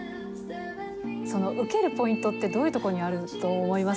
その受けるポイントって、どういうところにあると思います？